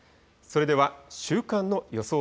それでは日中の予想